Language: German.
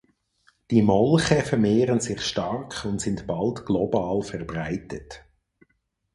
Die Molche vermehren sich stark und sind bald global verbreitet.